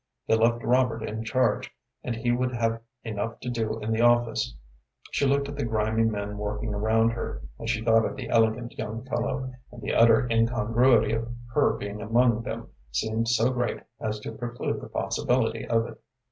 They left Robert in charge, and he would have enough to do in the office. She looked at the grimy men working around her, and she thought of the elegant young fellow, and the utter incongruity of her being among them seemed so great as to preclude the possibility of it.